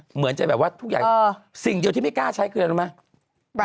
เหมือนจะแบบว่าทุกอย่างสิ่งเดียวที่ไม่กล้าใช้เงินออกมา